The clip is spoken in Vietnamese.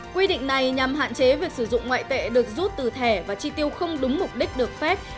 quy định này nhằm hạn chế việc sử dụng ngoại tệ được rút từ thẻ và chi tiêu không đúng mục đích được phép